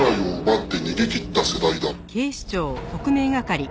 って。